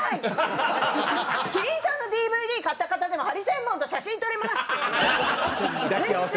「麒麟さんのＤＶＤ買った方でもハリセンボンと写真撮れます！」って言ってて。